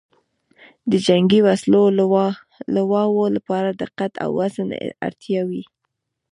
د جنګي وسلو لواو لپاره د قد او وزن اړتیاوې